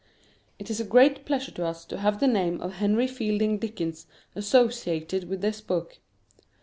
It is a great pleasure to us to have the name of Henry Fielding Dickens associated with this book.